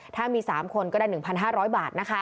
ถ้ามี๓คนก็ได้๑๕๐๐บาทนะคะ